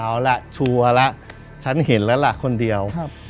เอาล่ะชัวร์แล้วฉันเห็นแล้วล่ะคนเดียว